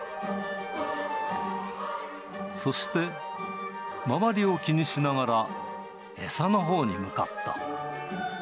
そして周りを気にしながら餌のほうに向かった。